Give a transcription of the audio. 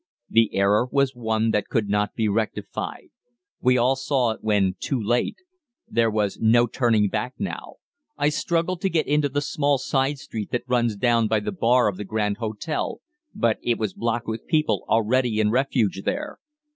"The error was one that could not be rectified. We all saw it when too late. There was no turning back now, I struggled to get into the small side street that runs down by the bar of the Grand Hotel, but it was blocked with people already in refuge there.